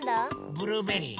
ブルーベリー！